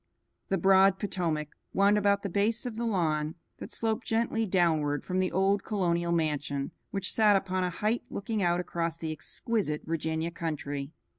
The broad Potomac wound about the base of the lawn that sloped gently downward from the old colonial mansion which sat upon a height looking out across the exquisite Virginia country.